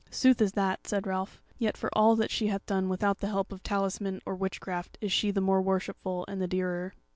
"Sooth is that," said Ralph, "yet for all that she hath done without help of talisman or witchcraft is she the more worshipful and the dearer."